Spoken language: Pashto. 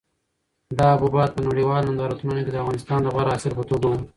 دا حبوبات په نړیوالو نندارتونونو کې د افغانستان د غوره حاصل په توګه وو.